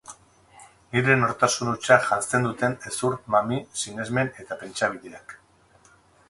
Nire nortasun hutsa janzten duten hezur, mami, sinesmen eta pentsabideak.